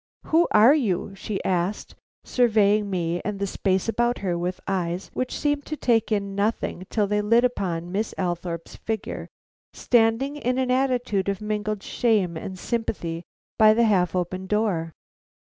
"Who are you?" she asked, surveying me and the space about her with eyes which seemed to take in nothing till they lit upon Miss Althorpe's figure standing in an attitude of mingled shame and sympathy by the half open door.